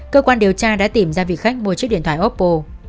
cơ quan điều tra đã tìm ra vị khách mua chiếc điện thoại opple